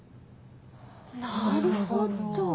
なるほど。